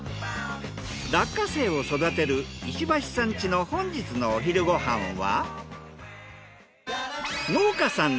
落花生を育てる石橋さんちの本日のお昼ご飯は？